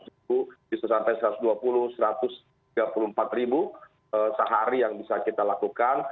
disusantai rp satu ratus dua puluh rp satu ratus tiga puluh empat sehari yang bisa kita lakukan